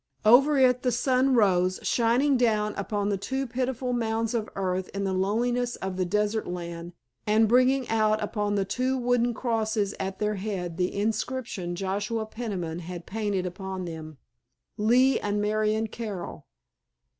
Over it the sun rose, shining down upon the two pitiful mounds of earth in the loneliness of the desert land, and bringing out upon the two wooden crosses at their head the inscription Joshua Peniman had painted upon them, "Lee and Marian Carroll.